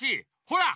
ほら！